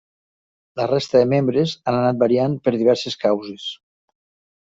La resta de membres han anat variant per diverses causes.